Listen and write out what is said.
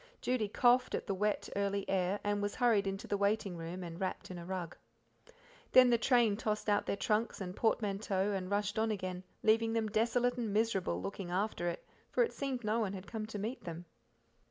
Judy coughed at the wet, early, air, and was hurried into the waiting room and wrapped in a rug. Then the train tossed out their trunks and portmanteaux and rushed on again, leaving them desolate and miserable, looking after it, for it seemed no one had come to meet them.